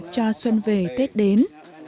cho xuân về tết đến